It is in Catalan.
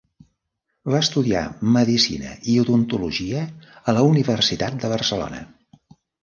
Va estudiar medicina i odontologia a la Universitat de Barcelona.